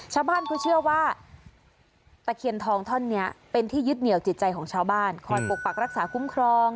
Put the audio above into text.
ชาวบ้านเขาเชื่อว่าตะเคียนทองท่อนนี้เป็นที่ยึดเหนียวจิตใจของชาวบ้านคอยปกปักรักษาคุ้มครอง